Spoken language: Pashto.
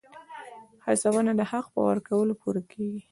هڅونه د حق په ورکولو پوره کېږي.